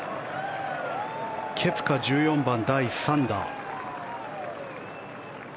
ケプカ、１４番、第３打。